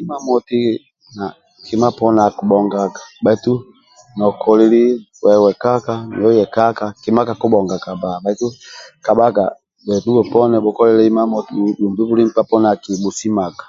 imamoti kima poni akibhongaga bhaitu nokolili wekaka miyo yekaka kima kakibhongaga bhaitu akikabhaga bhenu bheponi bhukolile imamaoti dumbi buli nkpa poni akibhusimaga